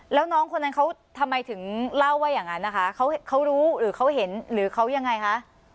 แล้วน้องคนนั้นเขาทำไมถึงเล่าว่าอย่างนั้นนะคะเขารู้หรือเขาเห็นหรือเขายังไงคะ